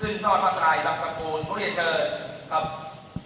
สื่อของตอนต่อปัจจัยรับสมบูรณ์มักเรียนเชิญ